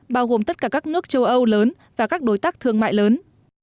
bao gồm tất cả các nước châu âu lớn và các đối tác thương mại lớn